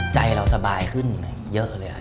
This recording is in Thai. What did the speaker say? ใจเราสบายขึ้นเยอะเลยครับ